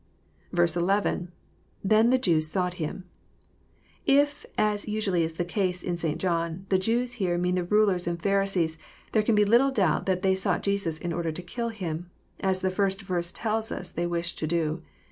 11 — IThen Ihe Jews sought Him,'] If, as usually is the case in St. John, the *■*' Jews *' here mean the rulers and Pharisees, there can be little doubt that they sought Jesus in order to kill Him, as the first verse tells us they wished to do.